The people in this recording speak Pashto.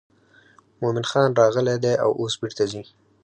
مومن خان راغلی دی او اوس بیرته ځي.